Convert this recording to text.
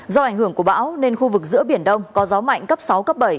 do ảnh hưởng của bão nên khu vực giữa biển đông có gió mạnh cấp sáu cấp bảy